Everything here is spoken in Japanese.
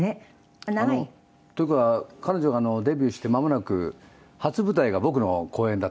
あっ長い？というか彼女がデビューして間もなく初舞台が僕の公演だったんですよ。